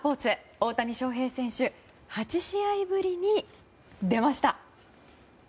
大谷翔平選手、８試合ぶりに出ました。